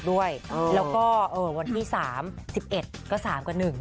ด้วยแล้วก็วันที่สาม๑๑ก็๓กว่า๑เงี้ย